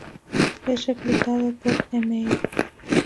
Es reclutado por Mr.